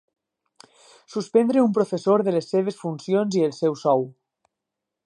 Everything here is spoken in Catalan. Suspendre un professor de les seves funcions i el seu sou.